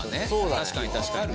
確かに確かにね。